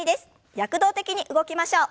躍動的に動きましょう。